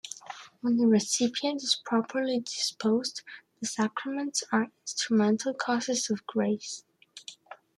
When the recipient is properly disposed, the sacraments are instrumental causes of grace.